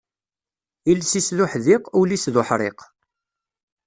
Iles-is d uḥdiq, ul-is d uḥriq.